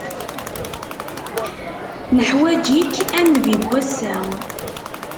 Neḥwaǧ-ik a nnbi s wass-a!